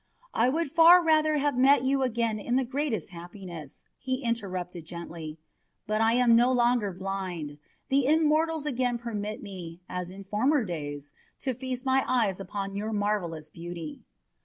"I would far rather have met you again in the greatest happiness!" he interrupted gently. "But I am no longer blind. The immortals again permit me, as in former days, to feast my eyes upon your marvellous beauty."